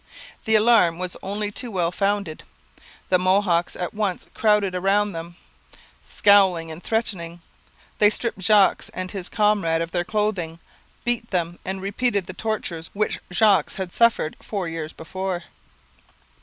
The alarm was only too well founded. The Mohawks at once crowded round them, scowling and threatening. They stripped Jogues and his comrade of their clothing, beat them, and repeated the tortures which Jogues had suffered four years before.